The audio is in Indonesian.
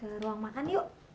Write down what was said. orang orang makan yuk